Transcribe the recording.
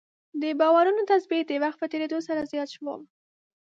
د باورونو تثبیت د وخت په تېرېدو سره زیات شو.